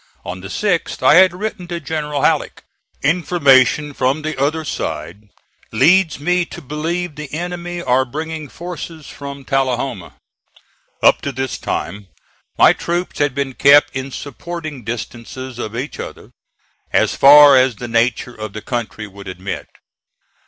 On the 6th I had written to General Halleck: "Information from the other side leaves me to believe the enemy are bringing forces from Tullahoma." Up to this time my troops had been kept in supporting distances of each other, as far as the nature of the country would admit.